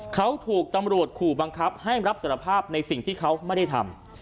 เขาถูกตำรวจขู่บังคับให้รับสารภาพในสิ่งที่เขาไม่ได้ทำ